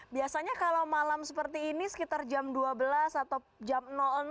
biasanya kalau malam seperti ini sekitar jam dua belas atau jam